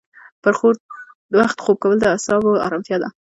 پر وخت خوب کول د اعصابو ارامتیا ده.